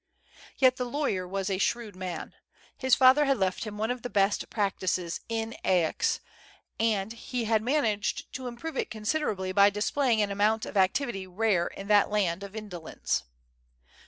Yet the law3"cr was a shrewd man. His father had left him one of the best practices in Aix, and he had managed to improve it considerably by displaying an amount of activity rare in that land of indolencp.